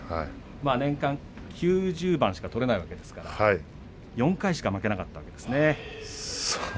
年間９０番しか取れないわけですから４回しかそうですね。